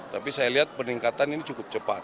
tapi saya lihat peningkatan ini cukup cepat